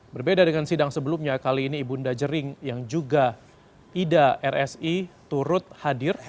berbeda dengan sidang sebelumnya kali ini ibu unda jering yang juga ida rsi turut hadir